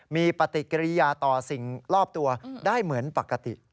มีปฏิกิริยาต่อสิ่งรอบตัวได้เหมือนปกติ